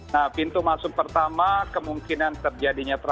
nah pintu masuk pertama kemungkinan terjadinya